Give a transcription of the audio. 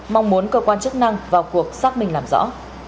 mong muốn cơ quan chức năng vào cuộc xác minh làm rõ